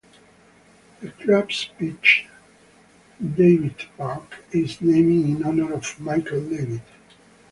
The club's pitch, Davitt Park, is named in honour of Michael Davitt.